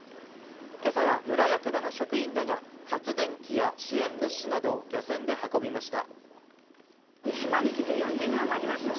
今朝は村役場の職員らが発電機や支援物資などを漁船で運びました。